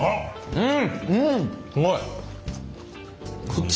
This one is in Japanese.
うん！